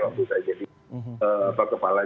waktu saya jadi kepala